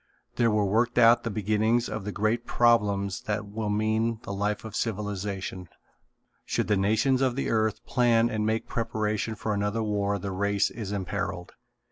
There were worked out the beginnings of the great problems that will mean the life of civilization. Should the nations of the earth plan and make preparation for another war the race is imperilled.